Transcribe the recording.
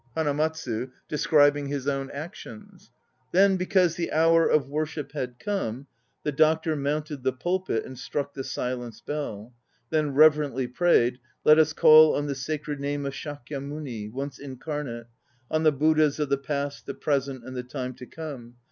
HANAMATSU (describing his own actions). Then because the hour of worship had come The Doctor mounted the pulpit and struck the silence bell; Then reverently prayed: Let us call on the Sacred Name of Shakyamuni, once incarnate; On the Buddhas of the Past, the Present and the Time to Come.